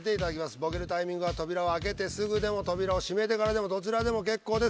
ボケるタイミングは扉を開けてすぐでも扉を閉めてからでもどちらでも結構です。